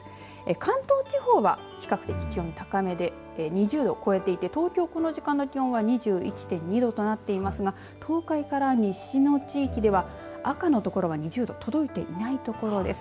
関東地方は比較的気温が高めで２０度を超えていて東京のこの時間の気温は２１．２度となっていますが東海から西の地域では赤の所は２０度届いていない所です。